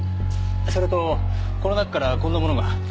それとこの中からこんなものが。